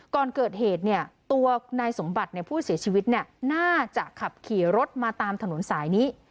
ก่อนเกิดเหตุตัวนายสมบัติผู้เสียชีวิตน่าจะขับขี่รถมาตามถนนสายนี้